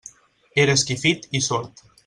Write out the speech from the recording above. Era esquifit i sord.